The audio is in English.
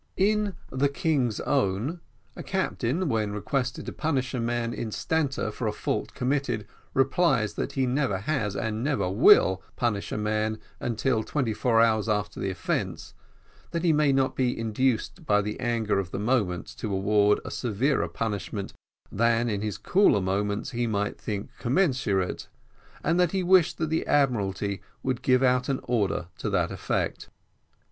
In "The King's Own," a captain, when requested to punish a man instanter for a fault committed, replies that he never has and never will punish a man until twenty four hours after the offence, that he may not be induced by the anger of the moment to award a severer punishment than in his cooler moments he might think commensurate and that he wished that the Admiralty would give out an order to that effect.